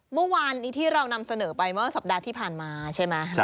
เมื่อวานนี้ที่เรานำเสนอไปเมื่อสัปดาห์ที่ผ่านมาใช่ไหม